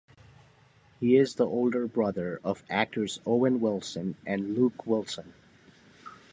He is the older brother of actors Owen Wilson and Luke Wilson.